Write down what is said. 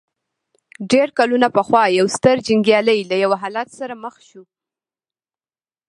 ډېر کلونه پخوا يو ستر جنګيالی له يوه حالت سره مخ شو.